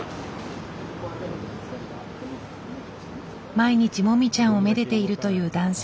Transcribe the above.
毎日もみちゃんをめでているという男性。